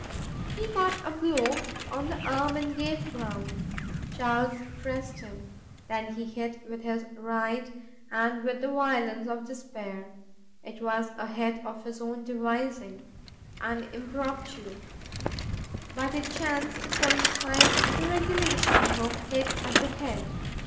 He caught a blow on the arm and gave ground. Charles pressed him. Then he hit with his right and with the violence of despair. It was a hit of his own devising, an impromptu, but it chanced to coincide with the regulation hook hit at the head.